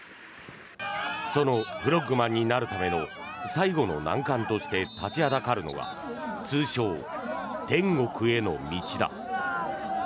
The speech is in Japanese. そのフロッグマンになるための最後の難関として立ちはだかるのが通称・天国への道だ。